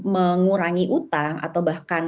mengurangi hutang atau bahkan